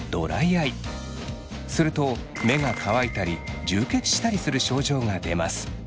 すると目が乾いたり充血したりする症状が出ます。